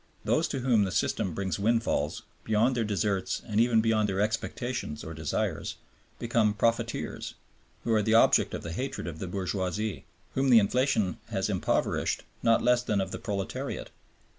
Those to whom the system brings windfalls, beyond their deserts and even beyond their expectations or desires, become "profiteers,", who are the object of the hatred of the bourgeoisie, whom the inflationism has impoverished, not less than of the proletariat.